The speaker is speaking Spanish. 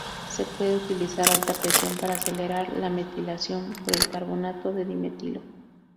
Se puede utilizar alta presión para acelerar la metilación por el carbonato de dimetilo.